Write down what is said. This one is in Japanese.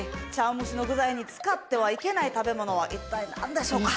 蒸しの具材に使ってはいけない食べ物は一体、なんでしょうか？